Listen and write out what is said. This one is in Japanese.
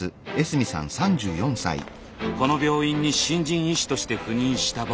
この病院に新人医師として赴任した僕。